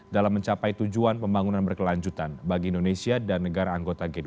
dalam mencapai tujuan pembangunan berkelanjutan bagi indonesia dan negara anggota g dua puluh